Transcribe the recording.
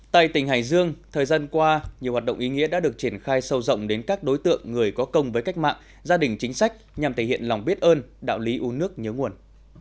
tại tỉnh hải dương thời gian qua nhiều hoạt động ý nghĩa đã được triển khai sâu rộng đến các đối tượng người có công với cách mạng gia đình chính sách nhằm thể hiện lòng biết ơn đạo lý u nước nhớ nguồn